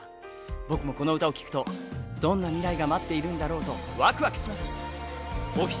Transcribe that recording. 僕もこの歌を聴くとどんな未来が待っているんだろうとワクワクします。